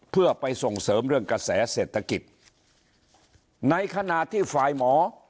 เพื่อไปส่งเสริมเรื่องกระแสเศรษฐกิจในขณะที่ฝ่ายหมอ